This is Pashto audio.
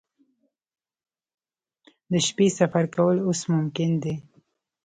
د شپې سفر کول اوس ممکن دي